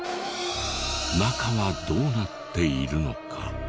中はどうなっているのか。